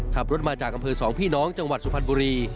ขับรถมาจากอำเภอสองพี่น้องจังหวัดสุพรรณบุรี